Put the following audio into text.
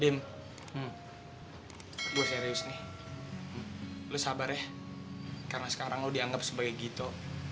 tim gue serius nih lo sabar ya karena sekarang lo dianggap sebagai gito